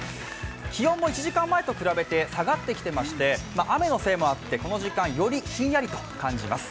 気温も１時間前と比べて下がってきていまして、雨のせいもあってこの時間よりひんやりと感じます。